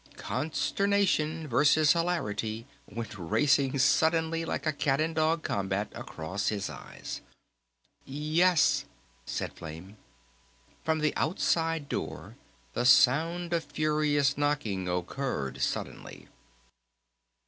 Consternation versus Hilarity went racing suddenly like a cat and dog combat across his eyes. "Yes," said Flame. From the outside door the sound of furious knocking occurred suddenly.